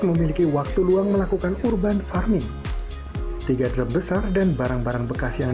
memiliki waktu luang melakukan urban farming tiga drum besar dan barang barang bekas yang